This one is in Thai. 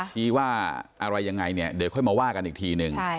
ชี้ว่าอะไรยังไงเนี่ยเดี๋ยวค่อยมาว่ากันอีกทีนึง